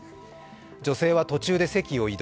女性は途中で席を移動。